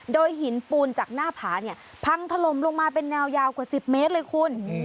โดยหินปูนจากหน้าผาเนี่ยพังถล่มลงมาเป็นแนวยาวกว่า๑๐เมตรเลยคุณ